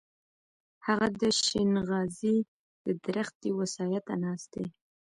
هغه د شينغزي د درختې و سايه ته ناست دی.